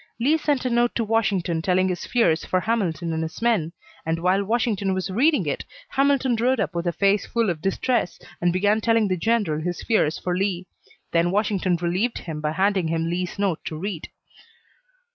Lee sent a note to Washington telling his fears for Hamilton and his men; and while Washington was reading it Hamilton rode up with a face full of distress, and began telling the general his fears for Lee; then Washington relieved him by handing him Lee's note to read."